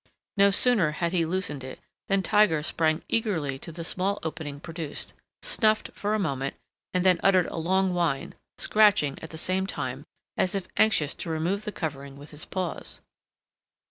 No sooner had he loosened it than Tiger sprang eagerly to the small opening produced, snuffed for a moment, and then uttered a long whine, scratching at the same time, as if anxious to remove the covering with his paws.